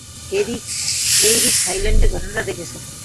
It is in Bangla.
হেই, রিক, থাইল্যান্ডের ঘটনাটা দেখছো?